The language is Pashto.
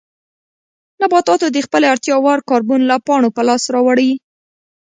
نباتاتو د خپلې اړتیا وړ کاربن له پاڼو په لاس راوړي.